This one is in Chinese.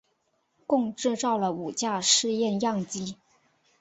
共制造了五架试验样机。